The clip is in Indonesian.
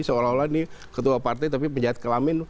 seolah olah ini ketua partai tapi penjahat kelamin